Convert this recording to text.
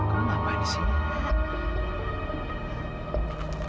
kamu apaan sih